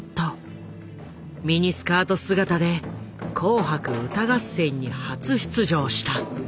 ミニスカート姿で「紅白歌合戦」に初出場した。